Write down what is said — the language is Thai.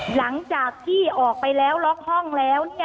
หลังจากที่ออกไปแล้วล็อกห้องแล้ว